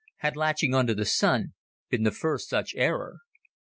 Had latching on to the Sun been the first such error?